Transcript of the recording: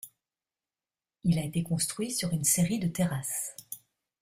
Il a été construit sur une série de terrasses.